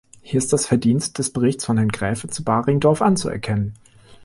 Hier ist das Verdienst des Berichts von Herrn Graefe zu Baringdorf anzuerkennen.